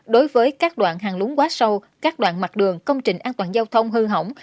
đối với các đoạn hàng lúng quá sâu các đoạn mặt đường công trình an toàn giao thông hư hỏng